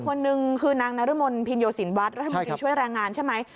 คนหนึ่งคือนางนรมนภินโยสินวัดรัฐมนตรีช่วยแรงงานใช่ไหม